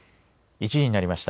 １時になりました。